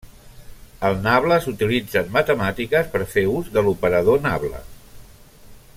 El nabla s'utilitza en matemàtiques per fer ús de l'operador nabla.